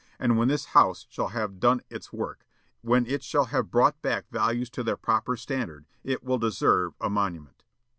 And when this House shall have done its work, when it shall have brought back values to their proper standard, it will deserve a monument."